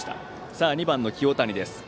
さあ、２番の清谷です。